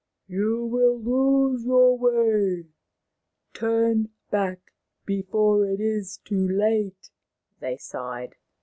" You will lose your way. Turn back before it is too late," they sighed.